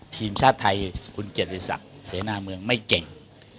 ทีมชาติไทยคุณเกียรติศักดิ์เสนาเมืองไม่เก่ง